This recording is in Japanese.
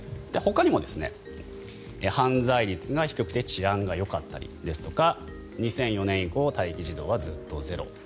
ほかにも犯罪率が低くて治安がよかったりですとか２００４年以降待機児童はずっとゼロ。